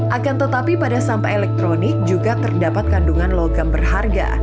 akan tetapi pada sampah elektronik juga terdapat kandungan logam berharga